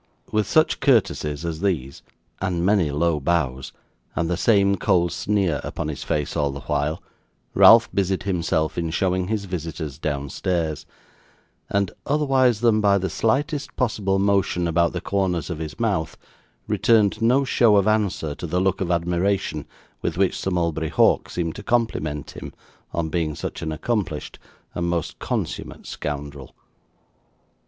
With such courtesies as these, and many low bows, and the same cold sneer upon his face all the while, Ralph busied himself in showing his visitors downstairs, and otherwise than by the slightest possible motion about the corners of his mouth, returned no show of answer to the look of admiration with which Sir Mulberry Hawk seemed to compliment him on being such an accomplished and most consummate scoundrel.